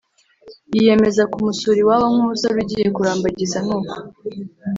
yiyemeza kumusura iwabo nk’umusore ugiye kurambagiza. Nuko